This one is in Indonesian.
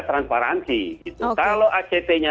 transparansi kalau act nya